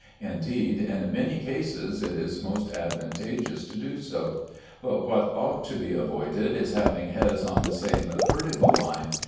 Indeed, in many cases it is most advantageous to do so; but what ought to be avoided is having heads on the same vertical line.